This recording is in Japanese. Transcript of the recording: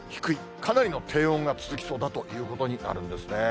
かなりの低温が続きそうだということになるんですね。